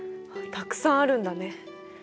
たくさんあるんだね。